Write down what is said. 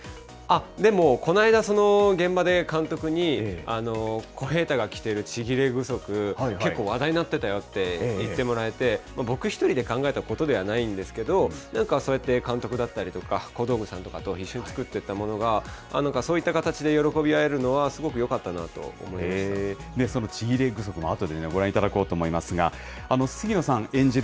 でも、この間、その現場で監督に小平太が着てるちぎれ具足、結構、話題になってたよって言ってもらえて、僕一人で考えたことではないんですけど、なんか、そうやって監督だったりとか、小道具さんだったりとかと、一緒に作っていったものが、なんかそういった形で喜び合えるのはそのちぎれ具足もあとでご覧いただこうと思いますが、杉野さん演じる